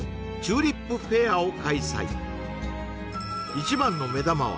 一番の目玉は